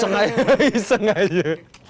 eh iseng aja